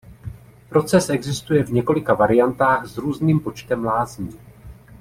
Proces existuje v několika variantách s různým počtem lázní.